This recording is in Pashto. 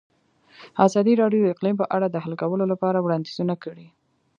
ازادي راډیو د اقلیم په اړه د حل کولو لپاره وړاندیزونه کړي.